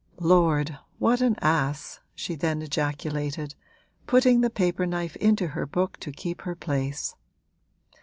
'Lord, what an ass!' she then ejaculated, putting the paper knife into her book to keep her place.